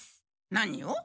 何を？